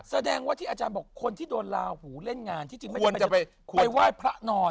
แสดงว่าที่อาจารย์บอกคนที่โดนลาหูเล่นงานที่จริงไม่ได้ไปไหว้พระนอน